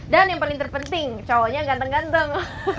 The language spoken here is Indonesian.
dan yang paling terpenting cowoknya ganteng ganteng